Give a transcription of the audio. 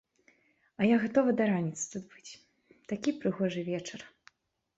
А я гатова да раніцы тут быць, такі прыгожы вечар.